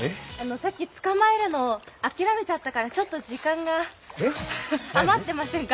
さっき捕まえるの諦めちゃったから時間が余ってませんか？